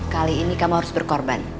kali ini kamu harus berkorban